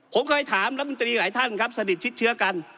ผมเคยถามรัฐมนตรีหลายท่านครับสนิทชิดเชื้อกัน